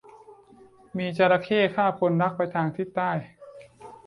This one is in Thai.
มีจระเข้คาบคนรักไปทางทิศใต้